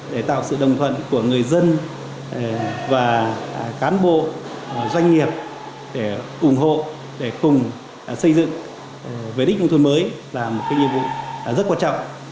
để tạo sự đồng thuận của người dân và cán bộ doanh nghiệp để ủng hộ để cùng xây dựng về đích nông thôn mới là một nhiệm vụ rất quan trọng